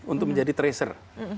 untuk menjadi tracer